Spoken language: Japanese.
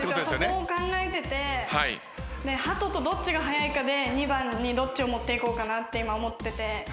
そこを考えててハトとどっちが速いかで２番にどっちを持っていこうかなって今思ってて。